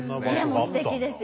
ねっすてきですよ。